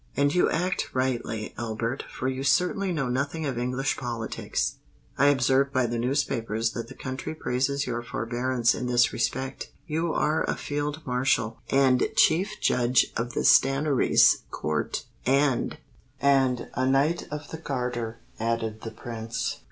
"And you act rightly, Albert, for you certainly know nothing of English politics. I observe by the newspapers that the country praises your forbearance in this respect. You are a Field Marshal, and Chief Judge of the Stannaries Court—and——" "And a Knight of the Garter," added the Prince.